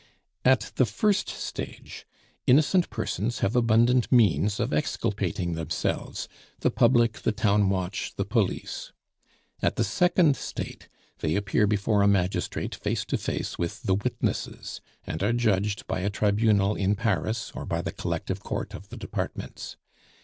At the first stage, innocent persons have abundant means of exculpating themselves the public, the town watch, the police. At the second state they appear before a magistrate face to face with the witnesses, and are judged by a tribunal in Paris, or by the Collective Court of the departments.